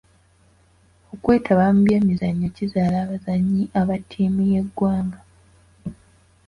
Okwetaba mu by'emizannyo kizaala abazannyi aba ttiimu y'eggwanga.